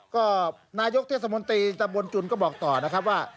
ก็นายกเทศมนตรีตะบนจุนก็บอกต่อนะครับว่า